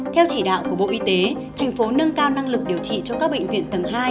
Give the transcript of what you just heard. theo chỉ đạo của bộ y tế thành phố nâng cao năng lực điều trị cho các bệnh viện tầng hai